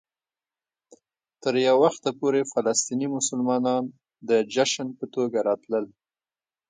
تر یو وخته پورې فلسطيني مسلمانانو د جشن په توګه راتلل.